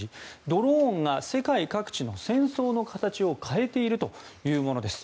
ドローンが世界各地の戦争の形を変えているというものです。